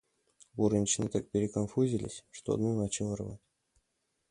Горничные так переконфузились, что одну начало рвать.